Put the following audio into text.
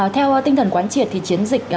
theo tinh thần quán triệt thì chiến dịch